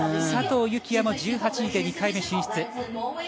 佐藤幸椰も１８位で２回目進出。